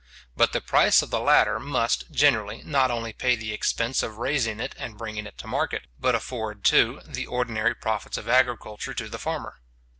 But the price of the latter must, generally, not only pay the expense of raising it and bringing it to market, but afford, too, the ordinary profits of agriculture to the farmer.